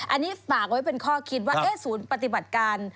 อันนี้ฝากไว้เป็นข้อคิดว่าศูนย์ปฏิบัติการ